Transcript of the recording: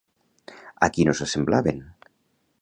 A qui no s'assemblaven?